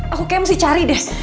aku kayak mesti cari deh